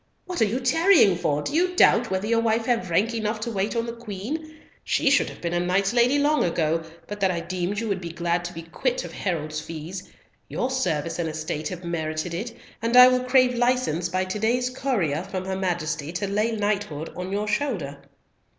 What are you tarrying for? Do you doubt whether your wife have rank enough to wait on the Queen? She should have been a knight's lady long ago, but that I deemed you would be glad to be quit of herald's fees; your service and estate have merited it, and I will crave license by to day's courier from her Majesty to lay knighthood on your shoulder."